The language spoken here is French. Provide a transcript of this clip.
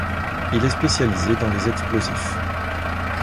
Il est spécialisé dans les explosifs.